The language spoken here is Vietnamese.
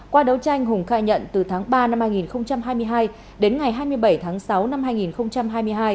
qua đấu tranh hùng khai nhận từ tháng ba năm hai nghìn hai mươi hai đến ngày hai mươi bảy tháng sáu năm hai nghìn hai mươi hai